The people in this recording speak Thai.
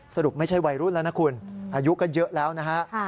สรุปไม่ใช่วัยรุ่นแล้วนะคุณอายุก็เยอะแล้วนะฮะ